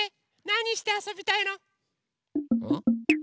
なにしてあそびたいの？